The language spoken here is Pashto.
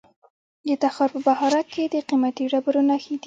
د تخار په بهارک کې د قیمتي ډبرو نښې دي.